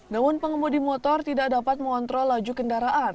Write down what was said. namun pengemudi motor tidak dapat mengontrol laju kendaraan